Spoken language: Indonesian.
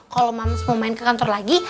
kalau mau main ke kantor lagi